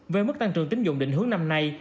với mức tăng trưởng tính dụng định hướng năm nay